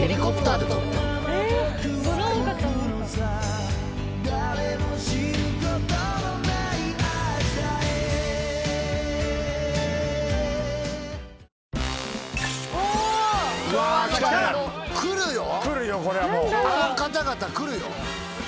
あの方々くるよ。